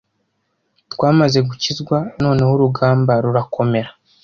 Twamaze gukizwa noneho urugamba rurakomera